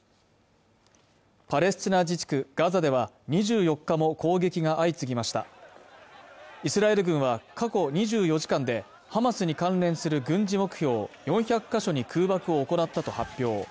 パレスチナ自治区ガザでは２４日も攻撃が相次ぎましたイスラエル軍は過去２４時間でハマスに関連する軍事目標４００か所に空爆を行ったと発表